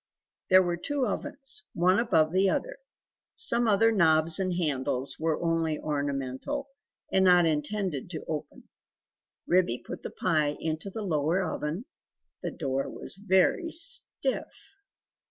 There were two ovens, one above the other; some other knobs and handles were only ornamental and not intended to open. Ribby put the pie into the lower oven; the door was very stiff.